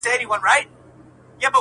o په زور کلي نه کېږي.